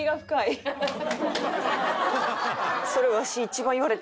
それわし。